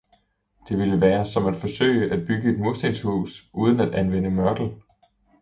Det ville være som at forsøge at bygge et murstenshus uden at anvende mørtel.